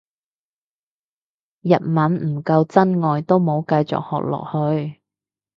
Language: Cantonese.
日文唔夠真愛都冇繼續學落去